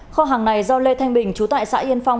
kho hàng này do lê thanh bình chú tại xã yên phong